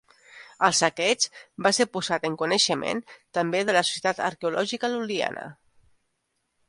El saqueig va ser posat en coneixement també de la Societat Arqueològica Lul·liana.